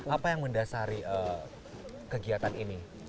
apa yang mendasari kegiatan ini